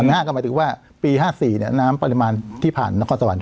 ห้าก็หมายถึงว่าปีห้าสี่เนี่ยน้ำปริมาณที่ผ่านนครสวรรค์